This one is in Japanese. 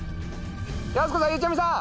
やす子さんゆうちゃみさん